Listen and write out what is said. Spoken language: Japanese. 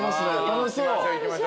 楽しそう。